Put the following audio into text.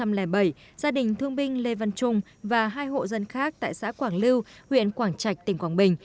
năm hai nghìn bảy gia đình thương binh lê văn trung và hai hộ dân khác tại xã quảng lưu huyện quảng trạch tỉnh quảng bình